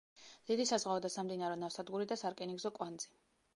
დიდი საზღვაო და სამდინარო ნავსადგური და სარკინიგზო კვანძი.